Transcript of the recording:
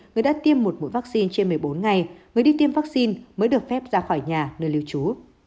người đã tiêm một mũi vaccine trên một mươi bốn ngày người đi tiêm vaccine mới được phép ra khỏi nhà nơi lưu trú